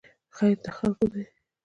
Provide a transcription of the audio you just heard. خیر د خلکو دی